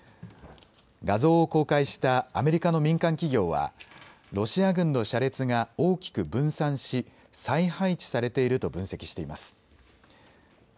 画像を公開したアメリカの民間企業はロシア軍の車列が大きく分散し再配置されていると分析しています。